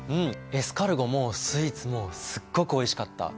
エスカルゴもスイーツもすっごくおいしかった。